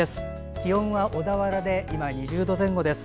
気温は小田原で今、２０度前後です。